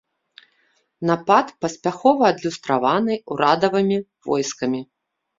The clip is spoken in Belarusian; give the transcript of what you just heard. Напад паспяхова адлюстраваны ўрадавымі войскамі.